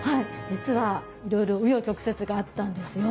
実はいろいろ紆余曲折があったんですよ。